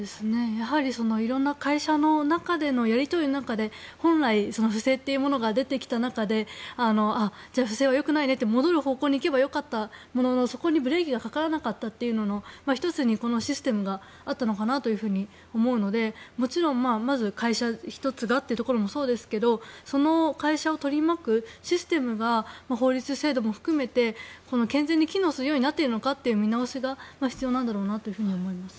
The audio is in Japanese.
やはり色んな会社の中でのやり取りの中で本来、不正というものが出てきた中でじゃあ不正はよくないねって戻る方向に行けばよかったもののそこにブレーキがかからなかったことの１つにこのシステムがあったのかなと思うのでもちろん会社１つがというところもそうですがその会社を取り巻くシステムが法律、制度も含めて健全に機能するようになっているのかという見直しが必要なんだろうなと思います。